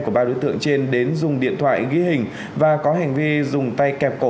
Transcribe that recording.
của ba đối tượng trên đến dùng điện thoại ghi hình và có hành vi dùng tay kẹp cổ